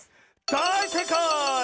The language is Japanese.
だいせいかい！